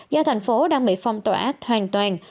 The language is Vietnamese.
do thành phố đang bị phong tỏa hoàn toàn